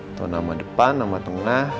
atau nama depan nama tengah